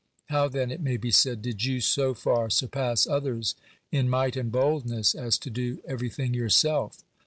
How then — it may be said — did you so far sur pass others in might and boldness as to do every thing yourself?